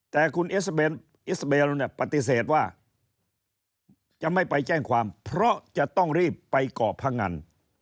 แต่คุณอิสเบลปฏิเสธว่าจะไม่ไปแจ้งความเพราะจะต้องรีบไปเกาะพงัน